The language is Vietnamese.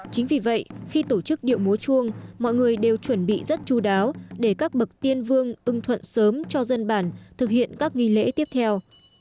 chính vì vậy khi tổ chức điệu múa chuông mọi người đều chuẩn bị rất chú đáo để các bậc tiên vương thuận sớm cho dân bản thực hiện các nghi lễ tiếp theo